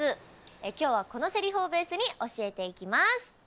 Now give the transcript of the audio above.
今日はこのせりふをベースに教えていきます。